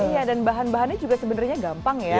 iya dan bahan bahannya juga sebenarnya gampang ya